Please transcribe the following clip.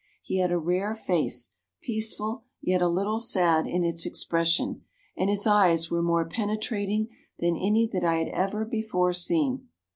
He had a rare face, peaceful, yet a little sad in its expression, and his eyes were more penetrating than any that I had ever before seen.